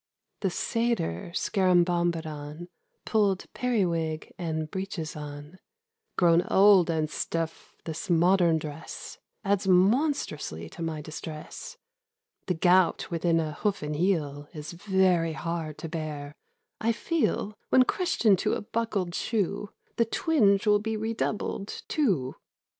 THE Satyr Scarabombadon Pulled periwig and breeches on :' Grown old and stiff, this modern dress Adds monstrously to my distress. The gout within a hoofen heel Is very hard to bear : I feel When crushed into a buckled shoe The twinge will be redoubled, too.